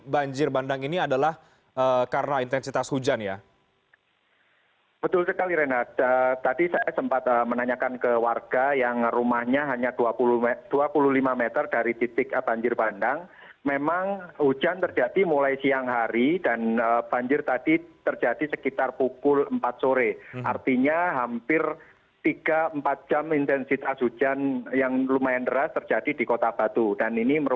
banjir bandang ini diakibatkan oleh hujan dengan intensitas tinggi yang mengguyur kota batu